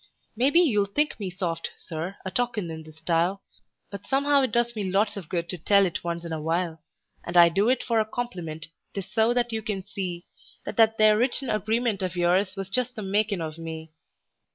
Maybe you'll think me soft, Sir, a talkin' in this style, But somehow it does me lots of good to tell it once in a while; And I do it for a compliment 'tis so that you can see That that there written agreement of yours was just the makin' of me.